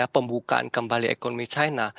pembukaan kembali ekonomi china